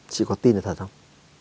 chị có tin là thật không